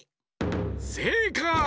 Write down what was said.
せいかい！